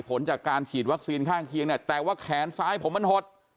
ผลจากการฉีดวัคซีนข้างเคียงเนี่ยแต่ว่าแขนซ้ายผมมันหด